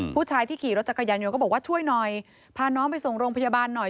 ผู้ชายที่ขี่รถจักรยานยนต์ก็บอกว่าช่วยหน่อยพาน้องไปส่งโรงพยาบาลหน่อย